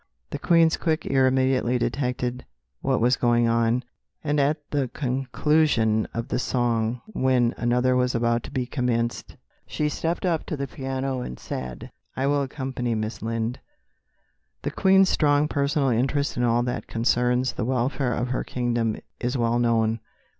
The Queen's quick ear immediately detected what was going on, and at the conclusion of the song, when another was about to be commenced, she stepped up to the piano and said, "I will accompany Miss Lind." The Queen's strong personal interest in all that concerns the welfare of her kingdom is well known.